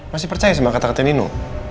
masih percaya sama kata katanya nino